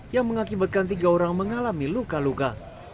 yang mengakibatkan tiga orang mengalami luka luka